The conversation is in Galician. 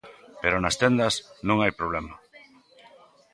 Pero nas tendas non hai problema.